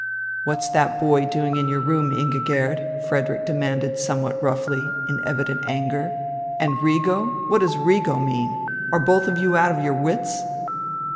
"What's that boy doing in your room, Ingigerd?" Frederick demanded somewhat roughly, in evident anger. "And 'Rigo'? What does 'Rigo' mean? Are both of you out of your wits?"